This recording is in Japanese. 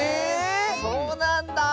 そうなんだあ！